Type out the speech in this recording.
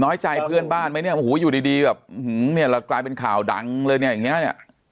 น้อยไจเพื่อนบ้านมั้ยเนี่ยมับหูอยู่ดีหรือเป็นข่าวดังเนี่ย